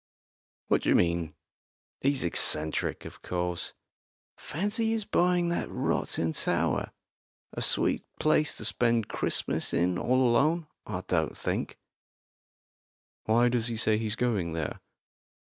"What do you mean? He's eccentric, of course. Fancy his buying that rotten tower a sweet place to spend Christmas in all alone, I don't think." "Why does he say he's going there?"